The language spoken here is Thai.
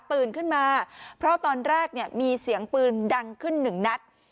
ขึ้นมาเพราะตอนแรกเนี่ยมีเสียงปืนดังขึ้นหนึ่งนัด